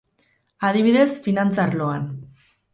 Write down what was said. Adibidez, finantza arloan.